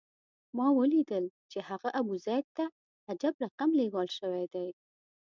ما ولیدل چې هغه ابوزید ته عجب رقم لېوال شوی دی.